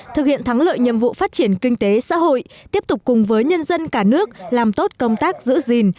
thực hiện thắng lợi nhiệm vụ phát triển kinh tế xã hội tiếp tục cùng với nhân dân cả nước làm tốt công tác giữ gìn